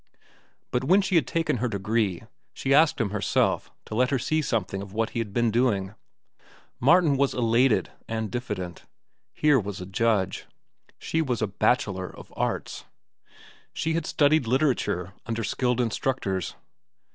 But when she had taken her degree, she asked him herself to let her see something of what he had been doing. Martin was elated and diffident. Here was a judge. She was a bachelor of arts. She had studied literature under skilled instructors.